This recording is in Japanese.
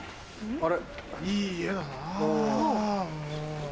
あれ？